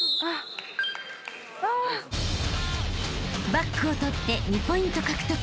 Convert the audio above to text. ［バックをとって２ポイント獲得］